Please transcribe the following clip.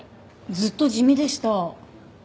ずっと地味でした。